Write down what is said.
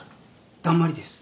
だんまりです。